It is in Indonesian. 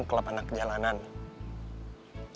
klub anak jalanan ya kalian mau ikut